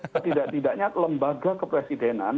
ketidaktidaknya lembaga kepresidenan